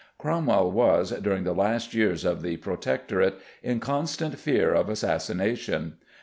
Cromwell was, during the last years of the Protectorate, in constant fear of assassination.